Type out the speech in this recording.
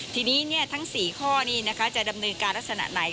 ทีนี้ทั้ง๔ข้อนี้จะดำเนินการลักษณะไหน